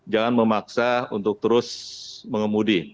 jangan memaksa untuk terus mengemudi